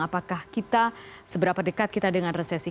apakah kita seberapa dekat kita dengan resesi